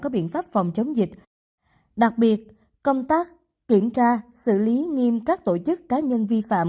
các biện pháp phòng chống dịch đặc biệt công tác kiểm tra xử lý nghiêm các tổ chức cá nhân vi phạm